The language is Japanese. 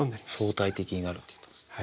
「相対的になる」って言ったんですね。